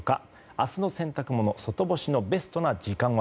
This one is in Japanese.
明日の洗濯物外干しのベストな時間は？